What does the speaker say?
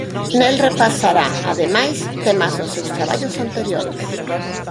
Nel repasará, ademais, temas dos seus traballos anteriores.